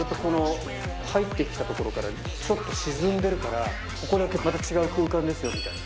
入って来たところからちょっと沈んでるからここだけまた違う空間ですよ！みたいな。